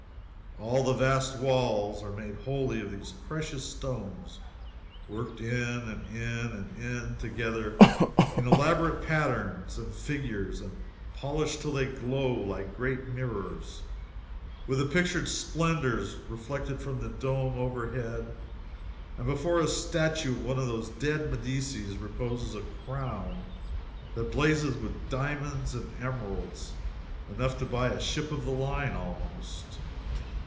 All the vast walls are made wholly of these precious stones, worked in, and in and in together in elaborate pattern s and figures, and polished till they glow like great mirrors with the pictured splendors reflected from the dome overhead. And before a statue of one of those dead Medicis reposes a crown that blazes with diamonds and emeralds enough to buy a ship of the line, almost.